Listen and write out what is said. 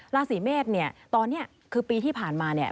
ราศีเมษเนี่ยตอนนี้คือปีที่ผ่านมาเนี่ย